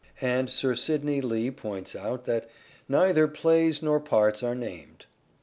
And Sir Sidney Lee points out that " neither plays nor parts are named."